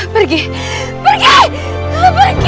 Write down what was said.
mereka membutuhkan ku